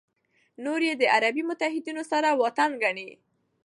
نور یې د عربو متحدینو سره واټن ګڼي.